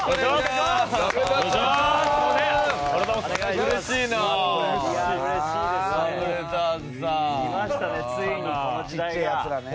きましたね